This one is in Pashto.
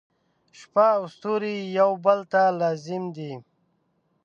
• شپه او ستوري یو بل ته لازم دي.